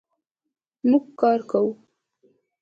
مونږ کار کوو